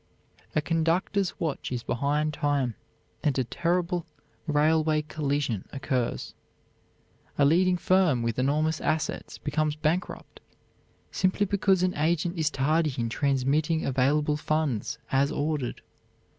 A conductor's watch is behind time, and a terrible railway collision occurs. A leading firm with enormous assets becomes bankrupt, simply because an agent is tardy in transmitting available funds, as ordered.